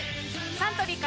サントリーから